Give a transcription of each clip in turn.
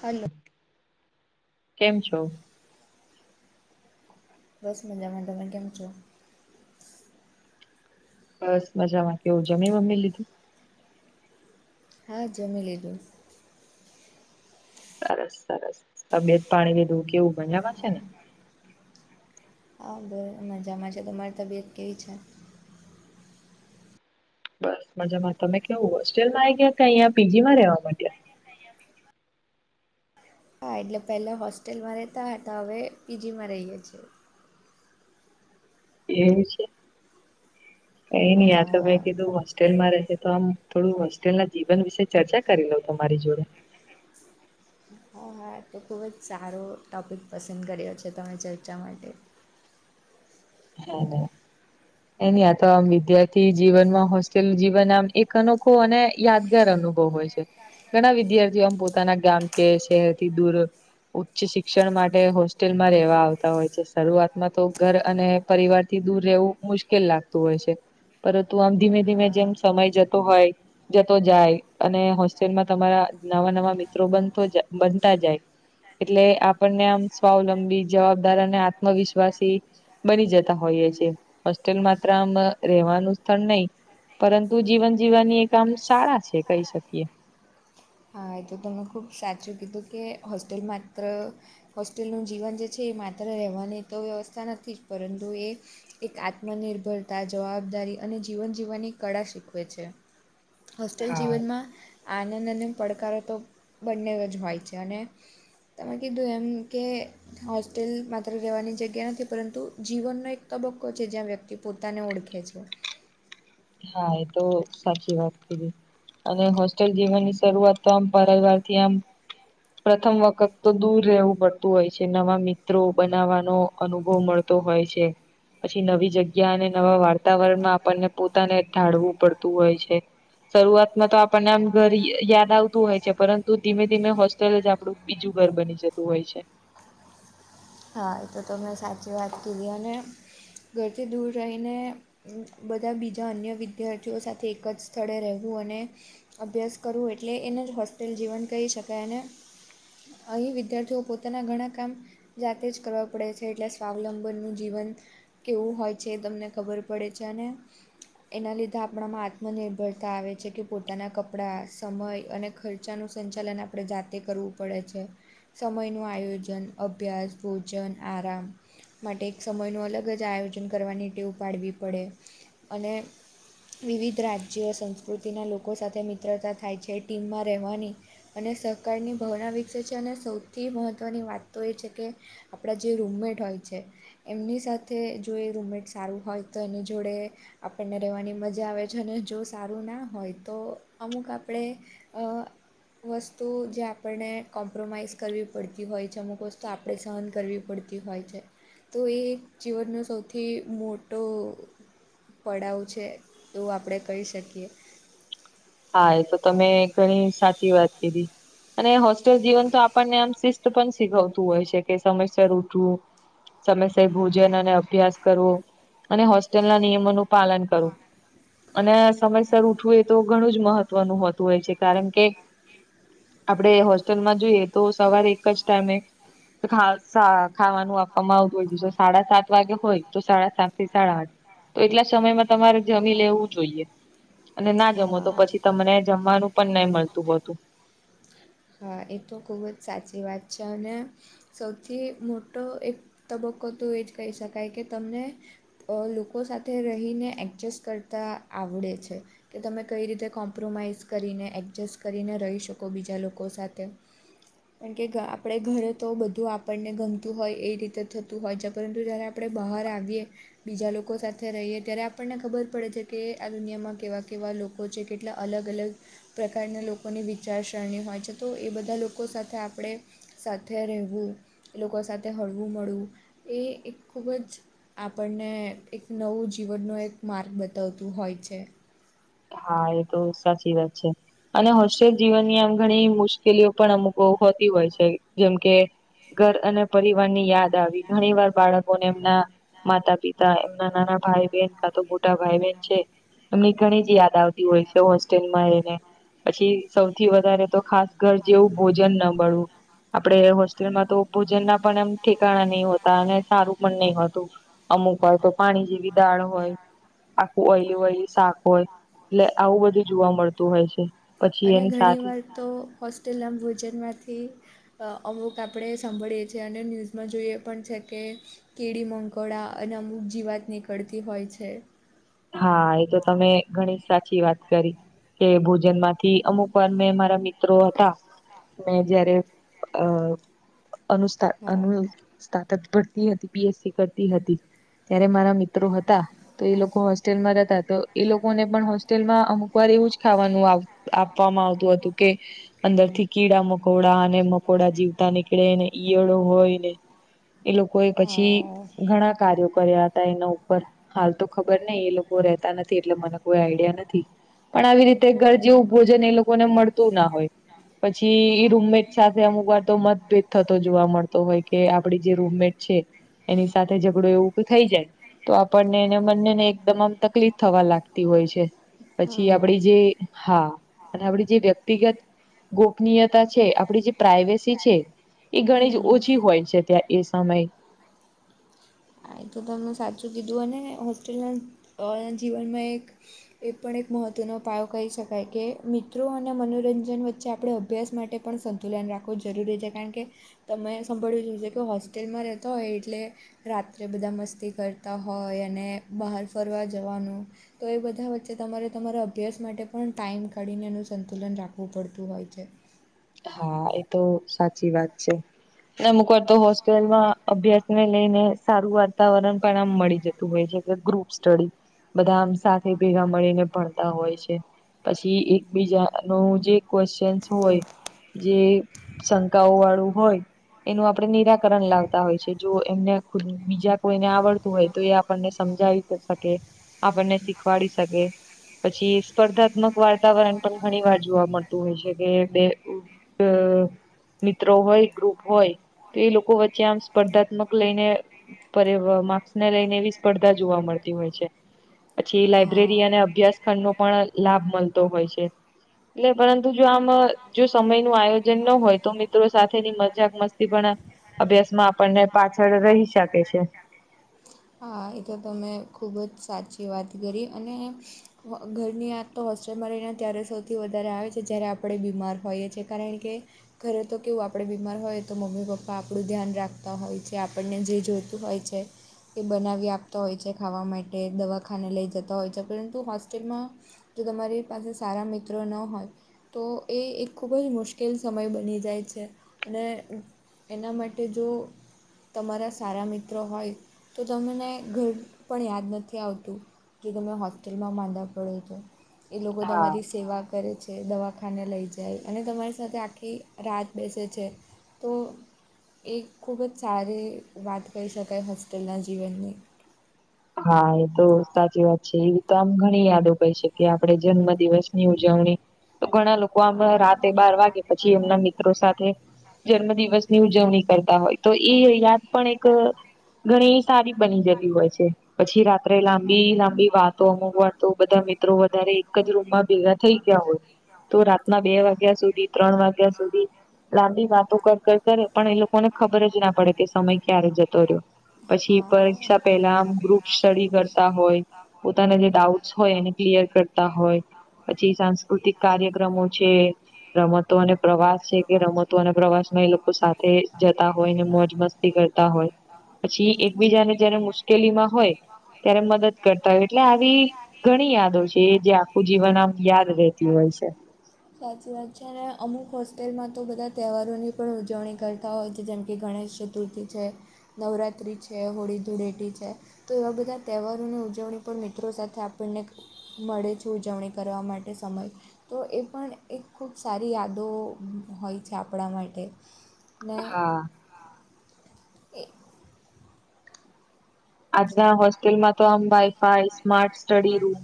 Hello, કેમ છો. બસ મજા મઝામાં કેમ છો. બસ મજા માં કેવું જમમે મમ્મી લીધું‌ હા જમી લીધું. સરસ સરસ તબિયત પાણી લીધું કેવું મઝામાં છે, ને હા બહુ મજામાં છે તમારી તબિયત કેવી છે, બસ મજામાં તમે કેવું હોસ્ટેલ માં આ ગયા કે અહીંયા પીજી માં રહેવા માટેડ્યા હા એટલે પેલા હોસ્ટેલમાં રહેતા હતા હવે પીજીમાં રહીએ છીએ એવું છે, કઈ નહ તો હા મેં કીધું મસ્ત હોસ્ટેલમાં રહેશે તો આમ થોડું હોસ્ટેલના જીવન વિશે ચર્ચા કરી લઉ તમારી જોડે હા હા તો ખૂબ જ સારો ટોપિક પસંદ કર્યો છે, તમે ચર્ચા માટે [unintelligible] એની આ તો આમ વિદ્યાર્થી જીવનમાં હોસ્ટેલ જીવન આમ એક અનોખો અને યાદગાર અનુભવ હોય છે ઘણા વિદ્યાર્થીઓમ પોતાના ગામ કે શહેરથી દૂર ઉચ્ચ શિક્ષણ માટે હોસ્ટેલમાં રહેેવા આવતા હોય છે, શરૂઆતમાં તો ઘર અને પરિવારથી દૂર રહેવું મુશ્કેલ લાગતું હોય છે. પરંતુ આમ ધીમે ધીમે હા જેમ સમય જતો હોય. જતો જાય અને હોસ્ટેલમાં તમારા નવા નવા મિત્રો બનતો બનતા જાય. એટલે આપણને આમ સ્વાવલંબી જવાબદાર અને આત્મવિશ્વાસી બની જતા હોઈએ છે, હોસ્ટેલ માત્ર આમ રહેેવાનું સ્થળ નહી. પરંતુ જીવન જીવવાની એ કામ સારા છે, કહી શકીએ હ એ તો તને ખૂબ સાચું કીધું કે હોસ્ટેલ માત્ર હોસ્ટેલનું જીવન જે છે, એ માત્ર રહેવાની તો વ્યવસ્થા નથી જ પરંતુ એ એક આત્મનિર્ભરતા જવાબદારી અને જીવન જીવવાની કળા શીખવે છે. હોસ્ટેલ હા જીવનમાં આનંદ અને પડકારો તો બંને જ હોય છે, અને તમેકી દૂ એમ કે હોસ્ટેલ માત્ર રહેવાની જગ્યા નથી પરંતુ જીવનનો એક તબક્કો છે, જ્યાં વ્યક્તિ પોતાને ઓળખે છે. હા એ તો સાચી વાત થઈ ગ અને હોસ્ટેલ જીવનની શરૂઆત તો આમ પવાર થી આમ પ્રથમ વખત તો દૂર રહેવું પડતું હોય છે, નવા મિત્રો બનાવવાનો અનુભવ મળતો હોય છે, પછી નવી જગ્યા અને નવા વાર્તાવરણમાં આપણને પો પોતાને ઢાળવું પડતું હોય છે. શરૂઆતમાં તો આપણને આમ ઘર યાદ આવતું હોય છે પરંતુ ધીમે ધીમે હો લ જ આપડું બીજું ઘર બની જતું હોય છે. હા એ તો ત મેં સાચી વાત કીધી અને ઘરથી દૂર રહીને બધા બીજા અન્ય વિદ્યાર્થીઓ સાથે એક જ સ્થળે રહેવું અને અભ્યાસ કરવું એટલે એને જ હોસ્ટેલ જીવન કહી શકાય અને અહીં વિદ્યાર્થીઓ પોતાના ઘણા કામ જાતે જ કરવા પડે છે, એટલે સ્વાવલંબનનું જીવન કેવું હોય છે એ તમને ખબર પડે છે, અને એના લીધે આપણામાં આત્મનિર્ભરતા આવે છે, કે પોતાના કપડા સમય અને ખર્ચ ન સંચાલન આપણે જાતે કરવું પડે છે સમય નું આયોજન અભ્યાસ ભોજન આરામ માટે એક સમયનું અલગ જ આયોજન કરવાની ટેવ ઉપાડવી પડે અને વિવિધ રાજ્યો સંસ્કૃતિના લોકો સાથે મિત્રતા થાય છે ટીમમાં રહેવાની અને સહકારની ભાવના વિકસે છે અને સૌથી મહત્ત્વની વાત તો એ છે કે આપણા જે રૂમમેટ હોય છે. એમની સાથે જો એ રૂમમેટ સારું હોય તો એની જોડે આપણને રહેવાની મજા આવે છે અને જો સારું ના હોય તો અમુક આપણે અ વસ્તુ જે આપણને કોમ્પ્રોમાઈઝ કરવી પડતી હોય છે અમુક વસ્તુ આપણે સહન કરવી પડતી હોય છે. તો એ એક જીવનનો સૌથી મોટો ફળાવું છે એવું આપણે કહી શકીએ હા એ તો તમે ઘણી સાચી વાત કીધી અને હોસ્ટેલ જીવન તો આપણને આમ પણ શીખવતું હોય છે કે સમયસર ઉઠવું. સમયસય ભોજન અને અભ્યાસ કરવો અને હોસ્ટેલ ના નિયમોનું પાલન કરું અને સમયસર ઉઠવું એ તો ઘણું જ મહત્વનું હોતું હોય છે કારણ કે આપણે હોસ્ટેલમાં જોઈએ તો સવારે એક જ ટાઈમે ખા સા ખાવાનું આપવામાં આવતું હોય છે જો સાડા સાત વાગે હોય તો સાડા સાત થી સાડા આઠ તો એટલા સમયમાં તમારે જમી લેવું જોઈએ અને ના જમો તો હા પછી તમને જમવાનું પણ નહી મળતું હોતું. હા એ તો ખૂબ જ સાચી વાત છે અને સૌથી મોટો એક તબક્કો તો એ જ કહી શકાય કે તમને અ લોકો સાથે રહીને એડજસ્ટ કરતા આવડે છે. કે તમે કઈ રીતે કોમ્પ્રોમાઈઝ કરીને એડજસ્ટ કરીને રહી શકો બીજા લોકો સાથે. તે. કાકે ગા આપણે ઘરે તો બધું આપણને ગમતું હોય એ રીતે થતું હોય છે પરંતુ જ્યારે આપણે બહાર આવીએ બીજા લોકો સાથે રહીએ ત્યારે આપણને ખબર પડે છે કે આ દુનિયામાં કેવા કેવા લોકો કો છે કેટલા અલગ અલગ પ્રકારના લોકોની વિચારસરણી હોય છે. તો એ બધા લોકો સાથે આપણે સાથે રહેવું ઈ લોકો સાથે હળવું મળવું એ એક ખૂબ જ આપણને એક નવું જીવનનો એક માર્ગ બતાવતું હોય છે. હા એ તો સાચી વાત છે અને હોસ્ટેલ જીવનની આમ ઘણી મુશ મુશ્કેલીઓ પણ અમુક હો હોતી હોય છે જેમ કે ઘર અને પરિવાર ની યાદ યાદ આવી ઘણી વાર બાળકોને એમના માતા પિતા એમના નાના ભાઈ બહેન કા તો મોટા ભાઈ બહેન છે એમની ઘણી જ યાદ તી હોય હોસ્ટેલમાં રહીને પછી સૌથી વધારે તો ખાસ ઘર જેવું ભોજન ન મળવું આપડે હોસ ટેલમાં તો ભોજન ના પણ એમ ઠેકાણા નહી હોતા અને સારું પણ નહી હોતું અમુક વાર તો પાણી જેવી દાળ હોય આખું ઓયલી ઓયલી શાક હોય એટલે આવું બધું જોવા મળતું હોય છે પછી અને એની ઘણી સાથે વાર તો હોસ્ટેલના ભોજનમાંથી અવુક આપડે સાંભળીએ છે અને ન્યૂઝમાં જોઈએ પણ છે કે કીડી મંકોડા અને અમુક જીવાત નીકળતી હોય છે હા એ તો તમે ઘણી સાચી વાત કરી કે ભોજન માંથી અમુક વાર મેં મારા મિત્રો હતા મેં જયારે અ અનુસ્થ હા અનુ સ્તાતક ભરતી હતી પી એસ સી કરતી હતી ત્યારે મારા મિત્રો હતા તો એ લોકો હસ ટેલમાં રહેતા તો એ લોકોને પણ હોસ્ટેલમાં અમુક વાર એવું જ ખાવાનું આપવામાં આવતું હતું કે અંદર થી કીડા મકોડા અને મકોડા જીવતા નીકળેને ઈયળો હોય ને એ લોકો એ પછી હા ઘણા કાર્યો કર્યા હતા એના ઉપર હાલતો ખબર નઈ એ લોકો રહેતા નથી, એટલે મને કોઈ આઈડિયા નથી. પણ આવી રીતે ઘર જેવું ભોજન એ લોકોને મળતું ના હોય પછી રૂમમેં સાથે અમુકવાર તો મતભેદ થતો જોવા મળતો હોયકે આપડી જે રૂમમેટ છે. એની સાથે ઝઘડો એવું થઈ જાય. તો આપણને એને બંનેને એકદમ આમ તકલીફ થવા લાગતી હોય છે, હા પછી હા આપડી જે હા, અને આપડી જે વ્યક્તિગત ગોપનીયતા છે, આપડી જે પ્રાઈવેસી છે. એ ઘણીજ હમ ઓછી હોય છે ત્યાં એ સમયે. હા એતો તમેં સાચું કીધું અને હોસ્ટેલના જીવનમાં એક. એ પણ એક મહત્ત્વનો પાયો કહી શકાય કે મિત્રો અને મનોરંજન વચ્ચે આપડે અભ્યાસ માટે પણ સંતુલન રાખવું જરૂરી છે, કારણકે તમે સાંભળ્યું જ હોય છે, કે હોસ્ટેલમાં રહેતો હોય એટલે રા ત્રે બધા મસ્તી કરતા હોય અને બહાર ફરવા જવાનું તોએ બધા વચ્ચે તમારે તમારા અભ્યાસ માટે પણ ટાઈમ કાઢીને એનું સંતુલન રાખવું પડતું હોય છે. હા એતો સાચી વાત છે. અમુક વારતો હોસ્ટેલમાં અભ્યાસને લઈને સારું વાતાવરણ પણ આમ મળી જ તું હોય છે કે ગૃપસ્ટડી બધા આમ સાથે ભેગા મળીને પણ કરતા હોય છે, પછી એકબીજાનું જે ક્વેચનસ હોય જે શંકાઓ વાળું હોય એનું આપણે નિરાકરણ લાવતા હોય છે, જો એમને બીજા કોઈને આવડતું હોય તોએ આપણને સમજાવી શકે. આપણને શીખવાડી શકે પછી સ્પર્ધાત્મક વાતાવરણ પણ ઘણીવાર જોવા મળતું હોય છે કે બે મિત્રો હોય ગ્રુપ હોય તોએ લોકો વચ્ચે આમ સ્પર્ધાત્મક લઈને પર એ માર્ક્સને લઈને એવી સ્પર્ધા જોવા મળતી હોય છે. પછી હા લાઈબ્રેરી અને અભ્યાસ ખંડનો પણ લાભ મળતો હોય છે, એટલે પરંતુ જો આમ જો સમય નું આયોજન ન હોયતો મિત્રો સાથેની મજાક મસ્તી પણ અભ્યાસમાં પાછળ આપણને રહી શકે પાઠશાળા છે. ના [unintelligible] હા, એતો તમે ખૂબ જ સાચી વાત કરી અને ઘરની યાદતો હોસ્ટેલમાં રહીને ત્યારે સૌથી વધારે આવે છે, જ્યારે આપણે બીમાર હોઈએ છીએ કારણ કે ઘરેતો કેવું આપડે બીમાર હોયતો મમ્મી- પપ્પા આપણું ધ્યાન રાખ તા હોય છે, આપણને જે જોઈતું હોય છે એ બનાવી આપતા હોય છે, ખાવા માટે દવાખાને લઈ જતા હોય છે, પરંતુ હોસ્ટેલમાં જો તમારી પાસે સારા મિત્રો ન હોય તોએ એક ખૂબ જ મુશ્કેલ સમય બની જાય છે, અને એના માટે જો તમારા સારા મિત્રો હોયતો તમને ઘર પણ યાદ નથી આવતું. કે તમે હોસ્ટેલમાં માંંદા પડો તો એ લોકો હા તમારી સેવા કરે છે, દવાખાને લઈ જાય અને તમારી સાથે આખી રાત બેસે છે. તોએ ખૂબજ સારી વાત કહી શકાય, હોસ્ટેલના જીવનની હા એતો સાચી વાત છે, એવીતો આમ ઘણી યાદો કહી શકીએ. કે આપણે જન્મદિવસની ઉજવણી તો ઘણા લોકો આમ રાતે હા બાર વાગે પછી એમના મિત્રો સાથે જન્મદિવસ ની ઉજવણી કરતા હોય તોએ યાદ પણ એક ઘણી સારી બની જતી હોય છે, પછી રાત્રે લાંબી લાંબી વાતો અમુક વાતો બધા મિત્રો વધારે એક જ રૂમમાં ભેગા થઈ ગયા હોય તો રાતના બે વાગ્યા સુધી ત્રણ વાગ્યા સુધી લાંબી વાતો કર કર કરે પણ એ લોકોને ખબર જ ના પડે કે સમય ક્યારે જતો રયો. પછી પરીક્ષા પેલા આમ ગ્રુપ [unintelligible] પોતાના જે ડાઉટસ હોય એને ક્લિયર કરતા હોય પછી સાંસ્કૃતિક કાર્યક્રમો છે રમતો અને પ્રવાસ છે કે રમતો અને પ્રવાસ માં એ લોકો સાથે જતા હોય ને મોજ મસ્ તી કરતા હોય પછી એકબીજાને જયારે મુશ્કેલીમાં હોય ત્યારે મદદ કરતા હોય એટલે આવી ઘણી યાદો છે જે આખું જીવન આમ યાદ રહેતી હોય છે. સાચી વાત છે અને અમુક હોસ્ટેલમાં તો બધા તહેવારોની પણ ઉજવણી કરતા હોય છે જેમકે ગણેશ ચતુર્થી છે નવરાત્રિ છે હોળી ધૂળેટી છે. તો એવા બધા તહેવારોની ઉજવણી પણ મિત્રો સાથે આપણને મળે છે ઉજવણી કરવા માટે સમય. તો એ પણ એક ખૂબ સારી યાદો હોય છે આપણા માટે નેં હા. કે આજના હોસ્ટેલમાં તો આમ વાઈફાઈ સ્માર્ટ સ્ટડી રૂમ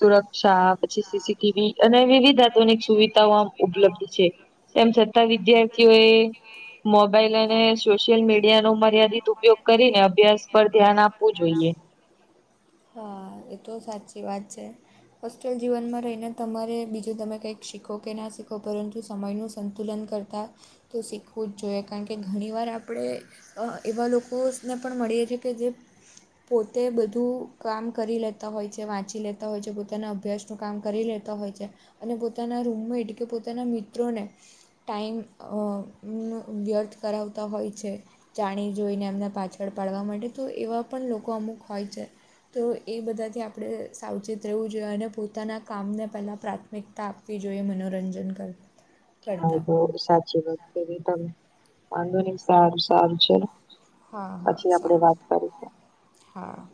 સુરક્ષા પછી સીસીટીવી અને વિવિધ આધુનિક સુવિધાઓ આમ ઉપલબ્ધ છે તેમ છે. વિદ્યાર્થીઓ એ મોબાઈલ અને સોશિયલ મીડિયા નો મર્યાદિત ઉપયોગ કરીને અભ્યાસ પર ધ્યાન આપવું જોઈએ હા એ તો સાચી વાત છે. ચલ જીવનમાં રહીને તમારે બીજું તમે કંઈક શીખો કે ના શીખો પરંતુ સમયનું સંતુલન કરતાં તો શીખવું જ જોઈએ કારણ કે ઘણીવાર આપણે અ એવા લોકોને પણ મળીએ છે કે જે પોતે બધું કામ કરી લેતા હોય છે વાંચી લેતા હોય છે પોતાના અભ્યાસનું કામ કરી લેતા હોય છે અને પોતાના રૂમમેટ કે પોતાના મિત્રોને ટાઈમ અ ન વ્યર્થ કરાવતા હોય છે. જાણી જોઈને એમના પાછળ પાડવા માટે તો એવા પણ લોકો અમુક હોય છે. તો એ બધાથી આપણે સાવચેત રહેવું જોઈએ અને પોતાના કામને પહેલાં પ્રાથમિકતા આપવી જોઈએ મનોરંજન કર હા તો સાચી વાત કિધી તમે વાંધો નહી સારું સારું છે હા હા પછી આપડે સારું વાત કરીશું હા.